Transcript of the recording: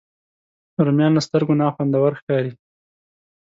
رومیان له سترګو نه خوندور ښکاري